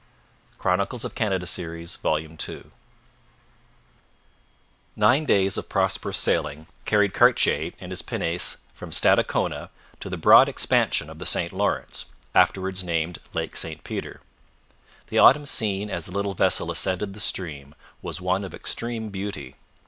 CHAPTER VI THE SECOND VOYAGE HOCHELAGA Nine days of prosperous sailing carried Cartier in his pinnace from Stadacona to the broad expansion of the St Lawrence, afterwards named Lake St Peter. The autumn scene as the little vessel ascended the stream was one of extreme beauty.